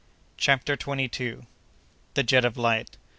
CHAPTER TWENTY SECOND. The Jet of Light.